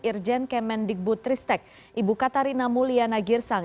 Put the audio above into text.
irjen kemendikbutristek ibu katarina mulyana girsang